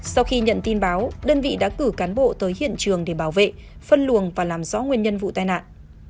sau khi nhận tin báo đơn vị đã cử cán bộ tới hiện trường để bảo vệ phân luồng và làm rõ nguyên nhân vụ tai nạn